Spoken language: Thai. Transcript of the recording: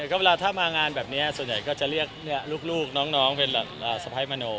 ก็เวลาถ้ามางานแบบนี้ส่วนใหญ่ก็จะเรียกลูกน้องเป็นสะพ้ายมโน